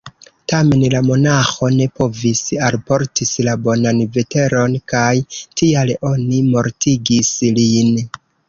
Tamen la monaĥo ne povis alportis la bonan veteron kaj tial oni mortigis lin.